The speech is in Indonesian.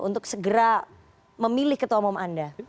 untuk segera memilih ketua umum anda